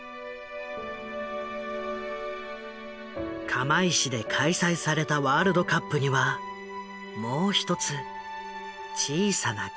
釜石で開催されたワールドカップにはもう一つ小さな奇跡の物語がある。